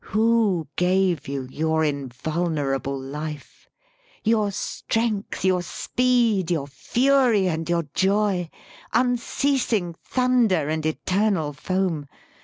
Who gave you your invulnerable life, Your strength, your speed, your fury, and your joy, Unceasing thunder and eternal foam?